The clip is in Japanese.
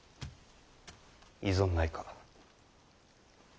異存ないか。